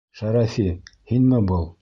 — Шәрәфи, һинме был?